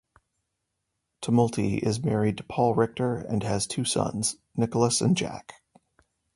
Tumulty is married to Paul Richter and has two sons, Nicholas and Jack.